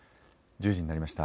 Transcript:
１０時になりました。